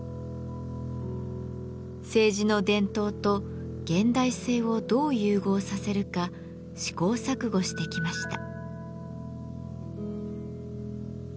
青磁の伝統と現代性をどう融合させるか試行錯誤してきました。